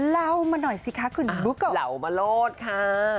เล่ามาหน่อยสิคะคุณบุกก็เล่ามาโลดค่ะ